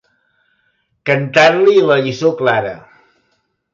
Cantar-li la lliçó clara.